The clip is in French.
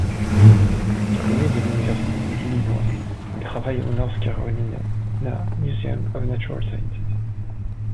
Diplômé de l'Université de l'Illinois, il travaille au North Carolina Museum of Natural Sciences.